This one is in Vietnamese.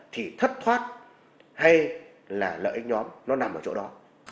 thì thất thoát hay là lợi ích nhóm nó nằm ở chỗ đó